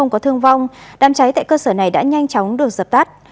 có thương vong đám cháy tại cơ sở này đã nhanh chóng được dập tắt